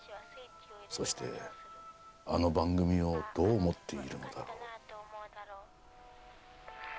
そしてあの番組をどう思っているのだろう